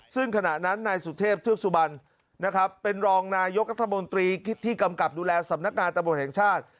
ซึ่งขณะนั้นนายสุเทพเทือกสุบันนะครับเป็นรองนายกรัฐมนตรีที่กำกับดูแลสำนักงานตำรวจแห่งชาติ